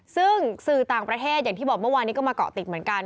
ซึ่งสื่อต่างประเทศอย่างที่บอกเมื่อวานนี้ก็มาเกาะติดเหมือนกัน